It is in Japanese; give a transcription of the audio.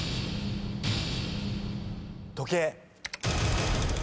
時計。